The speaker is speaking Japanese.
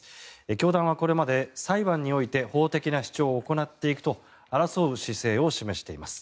教団はこれまで、裁判において法的な主張を行っていくと争う姿勢を示しています。